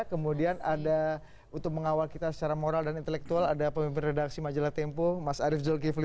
kemudian ada untuk mengawal kita secara moral dan intelektual ada pemimpin redaksi majalah tempo mas arief zulkifli